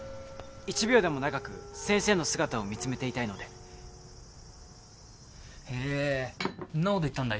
１秒でも長く先生の姿を見つめていたいのでへえんなこと言ったんだ